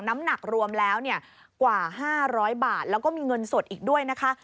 น้ำหนักรวมแล้วกว่า๕๐๐บาทแล้วก็มีเงินสดอีกด้วยนะคะ